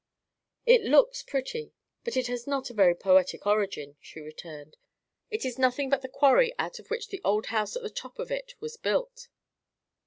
"It looks pretty, but it has not a very poetic origin," she returned. "It is nothing but the quarry out of which the old house at the top of it was built."